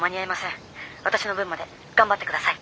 私の分まで頑張って下さい。